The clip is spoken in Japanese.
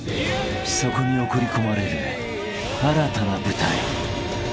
［そこに送り込まれる新たな部隊］